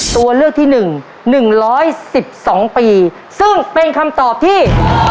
ตัวเลือกที่หนึ่งหนึ่งร้อยสิบสองปีซึ่งเป็นคำตอบที่